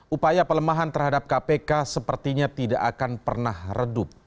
upaya pelemahan terhadap kpk sepertinya tidak akan pernah redup